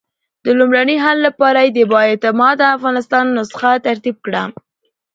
د لومړني حل لپاره یې د با اعتماده افغانستان نسخه ترتیب کړه.